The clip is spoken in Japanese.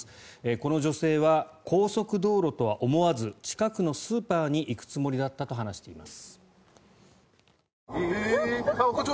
この女性は高速道路とは思わず近くのスーパーに行くつもりだったと話しています。